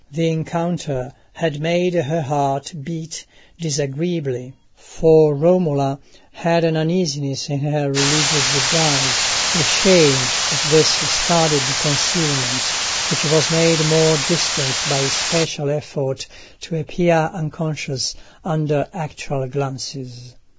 The encounter had made her heart beat disagreeably, for Romola had an uneasiness in her religious disguise, a shame at this studied concealment, which was made more distinct by a special effort to appear unconscious under actual glances.